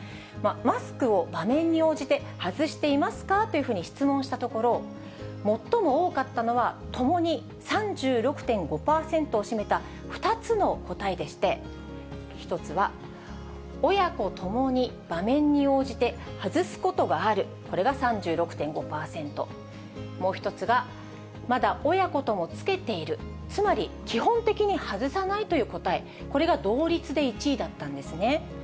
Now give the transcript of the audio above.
マスクを場面に応じて外していますかというふうに質問したところ、最も多かったのは、ともに３６．５％を占めた２つの答えでして、１つは、親子ともに場面に応じて外すことがある、これが３６．５％、もう１つが、まだ親子とも着けている、つまり基本的に外さないという答え、これが同率で１位だったんですね。